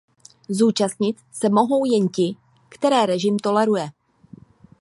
Zúčastnit se mohou jen ti, které režim toleruje.